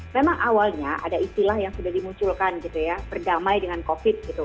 memang awalnya ada istilah yang sudah dimunculkan gitu ya berdamai dengan covid gitu